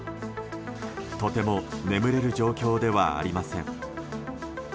とても眠れる状況ではありません。